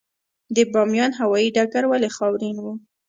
د بامیان هوايي ډګر ولې خاورین و؟